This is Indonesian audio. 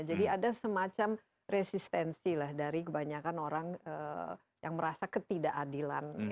jadi ada semacam resistensi lah dari kebanyakan orang yang merasa ketidakadilan